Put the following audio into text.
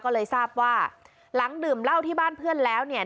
ก็เลยทราบว่าหลังดื่มเหล้าที่บ้านเพื่อนแล้วเนี่ย